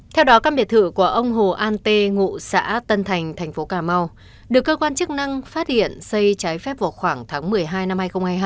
theo đó căn biệt thự của ông hồ an tê ngụ xã tân thành thành phố cà mau được cơ quan chức năng phát hiện xây trái phép vào khoảng tháng một mươi hai năm hai nghìn hai mươi hai